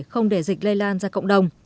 không để dịch lây lan ra cộng đồng